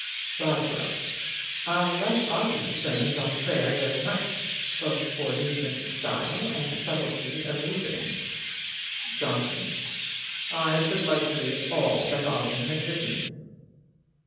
BOSWELL: I like Ogden's Sermons on Prayer very much, both for neatness of style and subtility of reasoning. JOHNSON: I should like to read all that Ogden has written.